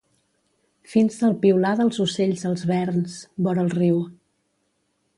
Fins el piular dels ocells als verns, vora el riu.